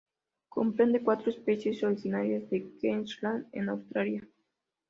Comprende cuatro especies originarias de Queensland en Australia.